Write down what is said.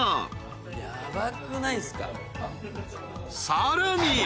［さらに］